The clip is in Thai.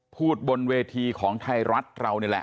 บนเวทีของไทยรัฐเรานี่แหละ